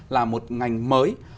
là một ngành mới